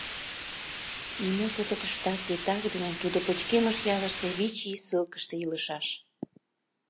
Нимо шотыштат титакдыме, тудо пычкемыш ялыште вич ий ссылкыште илышаш.